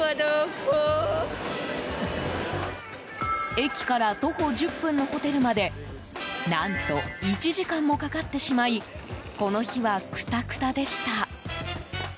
駅から徒歩１０分のホテルまで何と１時間もかかってしまいこの日は、くたくたでした。